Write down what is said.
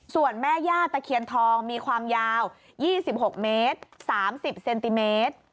ส่วนแม่ย่าตะเคียนทองมีความยาว๒๖เมตร๓๐เซนติเมตร